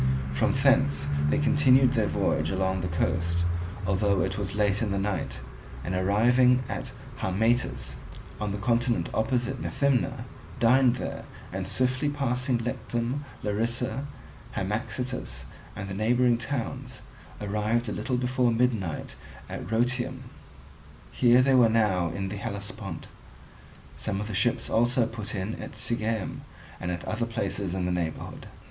From thence they continued their voyage along the coast, although it was late in the night, and arriving at Harmatus on the continent opposite Methymna, dined there; and swiftly passing Lectum, Larisa, Hamaxitus, and the neighbouring towns, arrived a little before midnight at Rhoeteum. Here they were now in the Hellespont. Some of the ships also put in at Sigeum and at other places in the neighbourhood.